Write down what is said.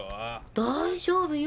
大丈夫よ。